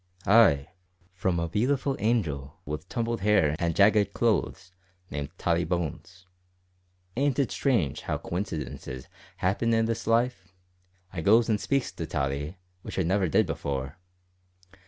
"Ay, from a beautiful angel with tumbled hair and jagged clothes named Tottie Bones. Ain't it strange how coincidences happen in this life! I goes an' speaks to Tottie, which I never did before.